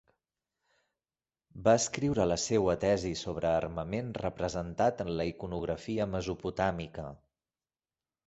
Va escriure la seua tesi sobre armament representat en la iconografia mesopotàmica.